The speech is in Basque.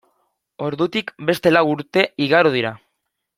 Ordutik beste lau urte igaro dira.